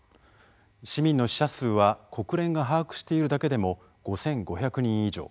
市民の死者数は国連が把握しているだけでも５，５００人以上。